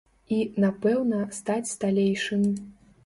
І, напэўна, стаць сталейшым.